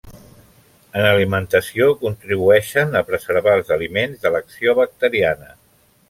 En alimentació contribueixen a preservar els aliments de l'acció bacteriana.